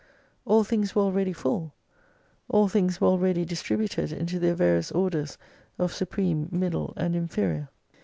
All things were already full, all things were already distributed into their various orders of supreme, middle and inferior.